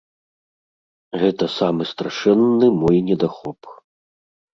Гэта самы страшэнны мой недахоп.